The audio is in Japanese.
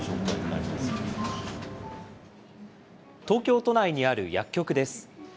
東京都内にある薬局です。